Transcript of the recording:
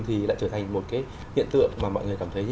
thì lại trở thành một cái hiện tượng mà mọi người cảm thấy